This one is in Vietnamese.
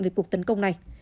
về cuộc tấn công này